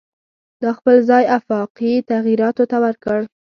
دا خپل ځای آفاقي تغییراتو ته ورکړ.